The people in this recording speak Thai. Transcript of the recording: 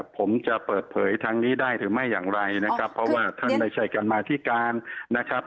ผมจะเปิดเผยทางนี้ได้หรือไม่อย่างไรนะครับเพราะว่าท่านไม่ใช่การมาธิการนะครับ